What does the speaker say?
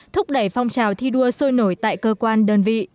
thúc đẩy phong trào thi đua sôi nổi tại cơ quan đơn vị